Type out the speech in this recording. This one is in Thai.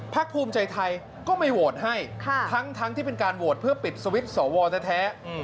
ภูมิใจไทยก็ไม่โหวตให้ทั้งที่เป็นการโหวตเพื่อปิดสวิตช์สวแท้